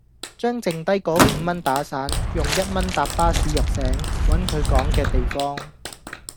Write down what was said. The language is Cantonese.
將淨低果五蚊打散，用一蚊搭巴士入城，搵佢講既地方。